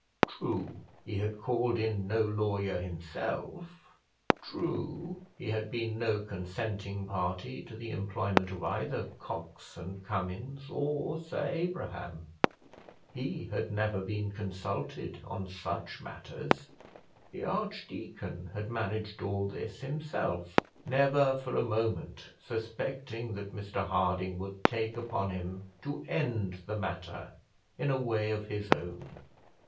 True, he had called in no lawyer himself; true, he had been no consenting party to the employment of either Cox and Cummins, or Sir Abraham; he had never been consulted on such matters; the archdeacon had managed all this himself, never for a moment suspecting that Mr Harding would take upon him to end the matter in a way of his own.